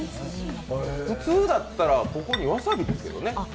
普通だったら、ここにわさびですけどね。